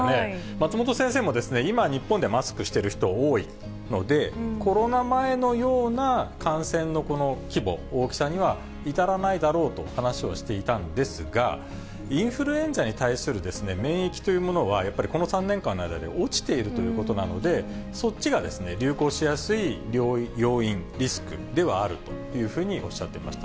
松本先生も、今、日本でマスクしている人多いので、コロナ前のような感染の規模、大きさには至らないだろうと話をしていたんですが、インフルエンザに対する免疫というものは、やっぱりこの３年間の間で落ちているということなので、そっちが流行しやすい要因、リスクではあるというふうにおっしゃってました。